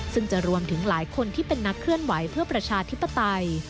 ซึ่งจะรวมถึงหลายคนที่เป็นนักเคลื่อนไหวเพื่อประชาธิปไตย